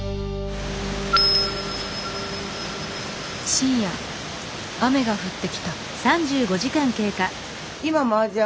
深夜雨が降ってきた。